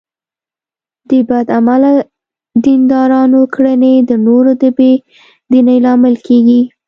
د بد عمله دیندارانو کړنې د نورو د بې دینۍ لامل کېږي.